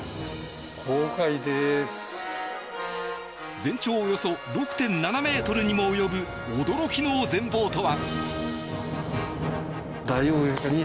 全長およそ６．７ｍにも及ぶ驚きの全貌とは？